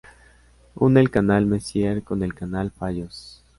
Une el canal Messier con el canal Fallos.